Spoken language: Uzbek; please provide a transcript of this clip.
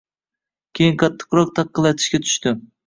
Keyin qattiqroq taqillatishga tushdi.